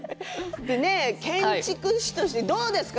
建築士としてどうですか？